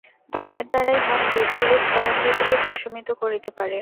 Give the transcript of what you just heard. ধ্যানের দ্বারাই মন বৃত্তিরূপ তরঙ্গগুলি প্রশমিত করিতে পারে।